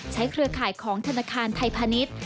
เครือข่ายของธนาคารไทยพาณิชย์